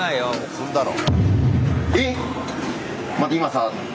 踏んだろ。